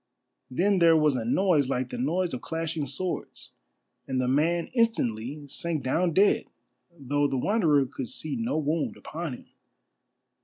Then there was a noise like the noise of clashing swords, and the man instantly sank down dead, though the Wanderer could see no wound upon him.